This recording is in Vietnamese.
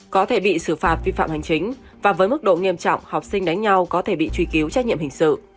có thể bị xử phạt vi phạm hành chính và với mức độ nghiêm trọng học sinh đánh nhau có thể bị truy cứu trách nhiệm hình sự